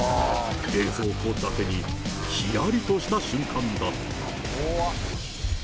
冷蔵庫だけに、ひやりとした瞬間だった。